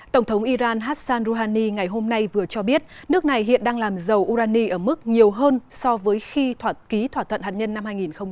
tổng thống iran hassan rouhani ngày hôm nay vừa cho biết nước này hiện đang làm dầu urani ở mức nhiều hơn so với khi thỏa ký thỏa thuận hạt nhân năm hai nghìn một mươi năm